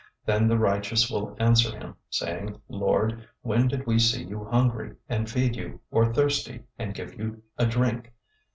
025:037 "Then the righteous will answer him, saying, 'Lord, when did we see you hungry, and feed you; or thirsty, and give you a drink?